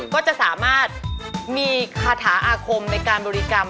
ก็จะสามารถมีคาถาอาคมในการบริกรรม